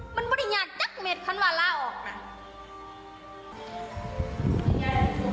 มันบริญญาณจักเม็ดทั้งวันลาออกมา